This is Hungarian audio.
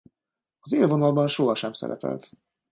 Az élvonalban sohasem szerepelt.